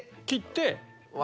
切って。